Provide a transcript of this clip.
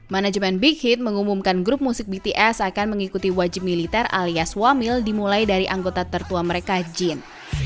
manajemen big hit mengumumkan grup musik bts akan mengikuti wajib militer alias wamil dimulai dari anggota tertua mereka jin